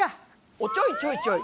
おっちょいちょいちょい！